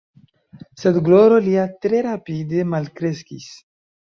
Sed gloro lia tre rapide malkreskis.